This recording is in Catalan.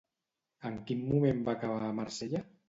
En quin moment va acabar a Marsella?